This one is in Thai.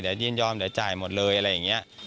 เดี๋ยวยินยอมเดี๋ยวจ่ายหมดเลยอะไรอย่างนี้